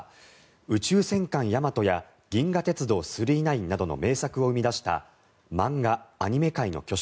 「宇宙戦艦ヤマト」や「銀河鉄道９９９」などの名作を生み出した漫画、アニメ界の巨匠